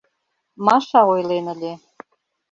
— Маша ойлен ыле...